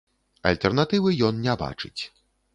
Альтэрнатывы ён не бачыць.